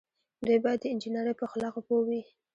دوی باید د انجنیری په اخلاقو پوه وي.